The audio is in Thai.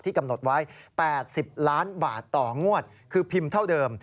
กำหนดไว้๘๐ล้านบาทต่องวดคือพิมพ์เท่าเดิม